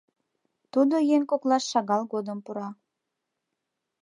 Тудо еҥ коклаш шагал годым пура.